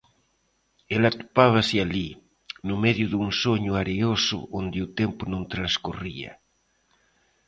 el atopábase alí, no medio dun soño areoso onde o tempo non transcorría.